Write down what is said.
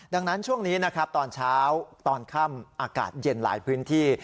ดังนั้นช่วงนี้นะครับตอนเช้าตอนค่ำอากาศเย็นหลายพื้นที่